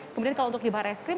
kemudian kalau untuk di barreskrim